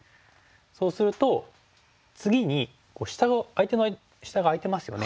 そうすると次に相手の下が空いてますよね。